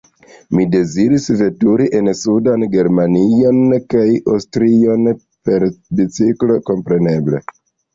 Mi deziris veturi en sudan Germanion kaj Aŭstrion, per biciklo, kompreneble.